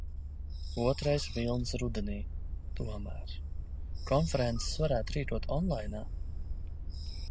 ‘Otrais vilnis rudenī’, tomēr... Konferences varētu rīkot onlainā.